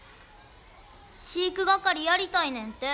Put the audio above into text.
飼育係やりたいねんて。